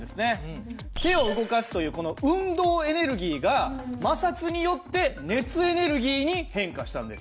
手を動かすというこの運動エネルギーが摩擦によって熱エネルギーに変化したんです。